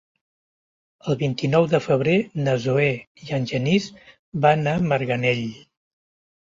El vint-i-nou de febrer na Zoè i en Genís van a Marganell.